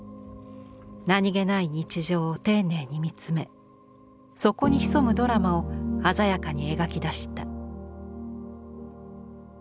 何気ない日常を丁寧に見つめそこに潜むドラマを鮮やかに描き出した。